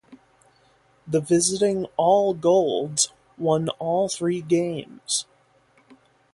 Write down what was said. The visiting "All Golds" won all three games.